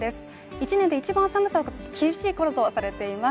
１年で一番寒さが厳しいころとされています